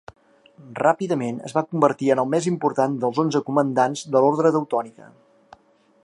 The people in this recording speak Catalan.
Ràpidament es va convertir en el més important dels onze comandants de l'Ordre Teutònica.